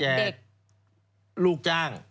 แจกลูกจ้าง